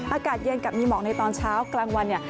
อากาศเย็นกับมีหมอกในตอนเช้ากลางวันเนี่ย